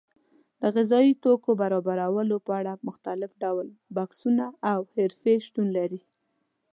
د غذایي توکو برابرولو په اړه مختلف ډول کسبونه او حرفې شتون لري.